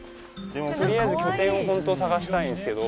でもとりあえず、拠点を本当、探したいんですけど。